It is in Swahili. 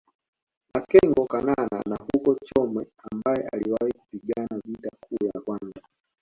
Makengo Kanana wa huko Chome ambaye aliwahi kupigana vita kuu ya kwanza